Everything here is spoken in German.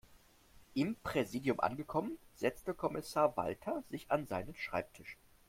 Im Präsidium angekommen, setzte Kommissar Walter sich an seinen Schreibtisch.